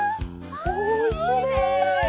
おいしいね！